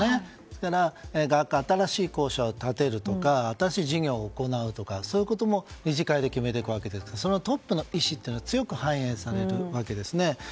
だから、新しい校舎を建てるとか新しい事業を行うとかそういうことも理事会で決めていくわけですからそのトップの意思は強く反映されるんです。